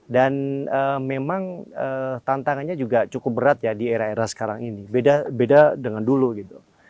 dan memang tantangannya juga cukup berat ya di era era sekarang ini beda dengan dulu gitu